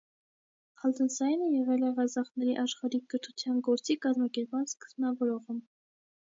Ալթնսարինը եղել է ղազախների աշխարհիկ կրթության գործի կազմակերպման սկզբնավորողը։